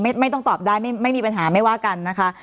ไม่ต้องตอบได้ไม่มีปัญหาไม่ว่ากันนะคะ